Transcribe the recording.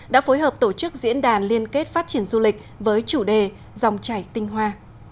đã phối hợp tổ chức diễn đàn liên kết phát triển du lịch với chủ đề dòng chảy tinh hoa